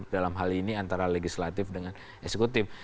dalam hal ini antara legislatif dengan eksekutif